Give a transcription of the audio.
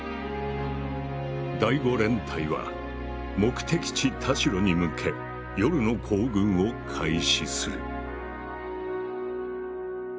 第５連隊は目的地・田代に向け夜の行軍を開始する。